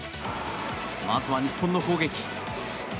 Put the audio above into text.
まずは日本の攻撃。